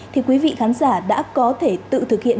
thì quý vị khán giả đã có thể tự thực hiện